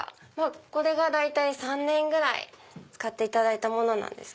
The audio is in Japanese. これが大体３年ぐらい使っていただいたものなんです。